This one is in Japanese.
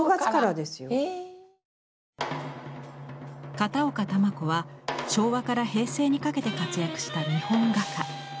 片岡球子は昭和から平成にかけて活躍した日本画家。